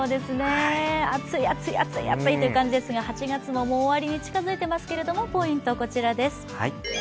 暑い、暑い、暑い、暑いという感じですが８月ももうもう終わりに近づいてますけれどもポイントこちらです。